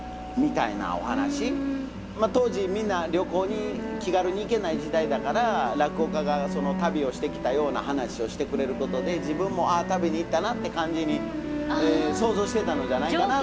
まあ当時みんな旅行に気軽に行けない時代だから落語家が旅をしてきたような噺をしてくれることで自分も「ああ旅に行ったな」って感じに想像してたのじゃないかなと。